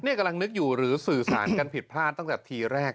นี่กำลังนึกอยู่หรือสื่อสารกันผิดพลาดตั้งแต่ทีแรก